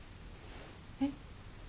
えっ？